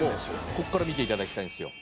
ここから見て頂きたいんですよ。